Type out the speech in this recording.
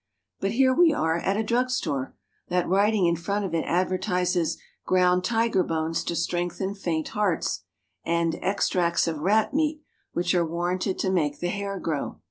But here we are at a drug store ! That writing in front of it advertises "ground tiger bones to strengthen faint hearts," and extracts of rat meat, which are warranted to make the hair grow.